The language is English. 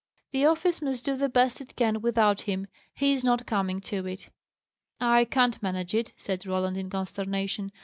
"The office must do the best it can without him. He's not coming to it." "I can't manage it," said Roland, in consternation.